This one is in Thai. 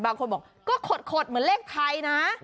บางคนบอกก็ขดเหมือนเลขไทยนะ